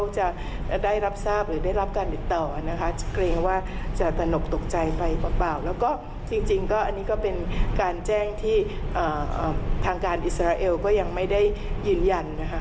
จริงก็อันนี้ก็เป็นการแจ้งที่ทางการอิสราเอลก็ยังไม่ได้ยืนยันนะครับ